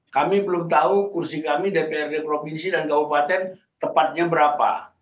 kami belum tahu kursi kami dprd provinsi dan kabupaten tepatnya berapa